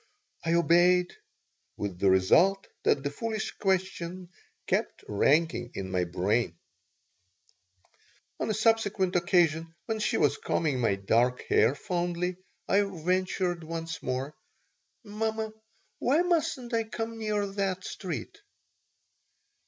I obeyed, with the result that the foolish questions kept rankling in my brain On a subsequent occasion, when she was combing my dark hair fondly, I ventured once more: "Mamma, why mustn't I come near that street?"